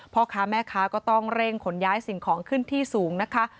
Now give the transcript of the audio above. พ่อค้าแม่ค้าก็ต้องเร่งขนย้ายสิ่งของขึ้นที่สูงนะคะ